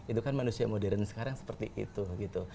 itu kan manusia modern sekarang seperti itu gitu